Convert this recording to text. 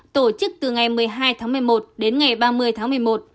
tổ chức từ ngày một mươi hai tháng một mươi một đến ngày ba mươi tháng một mươi một